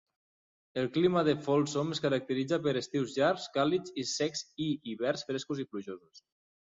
El clima de Folsom es caracteritza per estius llargs, càlids i secs i hiverns frescos i plujosos.